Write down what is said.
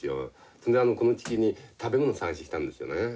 そんでこの地球に食べ物探しに来たんですよね。